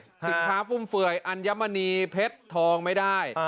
สินค้าฟุ่มเฟื่อยอัญมณีเพชรทองไม่ได้